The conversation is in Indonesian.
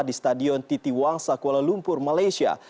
di stadion titiwang sakuala lumpur malaysia